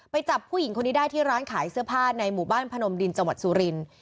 จับผู้หญิงคนนี้ได้ที่ร้านขายเสื้อผ้าในหมู่บ้านพนมดินจังหวัดสุรินทร์